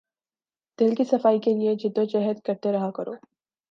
دل کی صفائی کے لیے جد و جہد کرتے رہا کرو